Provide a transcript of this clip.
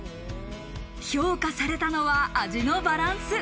評価されたのは味のバランス。